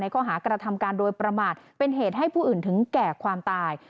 ข้อหากระทำการโดยประมาทเป็นเหตุให้ผู้อื่นถึงแก่ความตาย